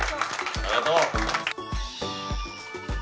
ありがとう。